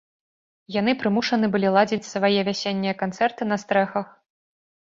Яны прымушаны былі ладзіць свае вясеннія канцэрты на стрэхах.